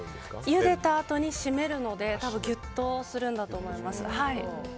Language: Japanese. ゆでたあとに締めるのでギュッとするんだと思います。